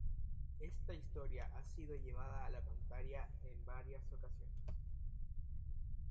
Esta historia ha sido llevada a la pantalla en varias ocasiones.